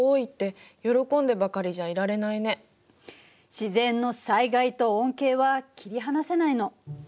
自然の災害と恩恵は切り離せないの。